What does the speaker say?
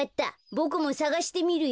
ボクもさがしてみるよ。